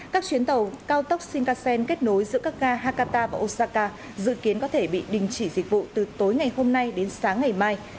các chuyến tàu cao tốc shinkansen kết nối giữa các ga hakata và osaka dự kiến có thể bị đình chỉ dịch vụ từ tối ngày hôm nay đến sáng ngày mai